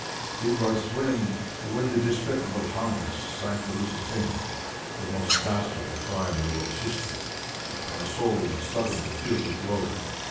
It was when when the despicable Huns sank the Lusitania, the most dastardly crime in the world's history, that my soul was suddenly filled with loathing.